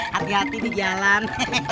hati hati di jalan